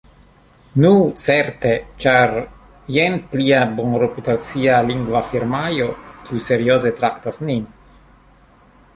Nu, certe, ĉar jen plia bonreputacia lingva firmao kiu serioze traktas nin.